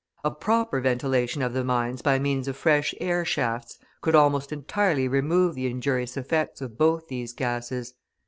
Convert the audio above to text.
A proper ventilation of the mines by means of fresh air shafts could almost entirely remove the injurious effects of both these gases.